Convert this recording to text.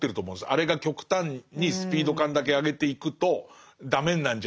あれが極端にスピード感だけ上げていくとダメになるんじゃないかっていう。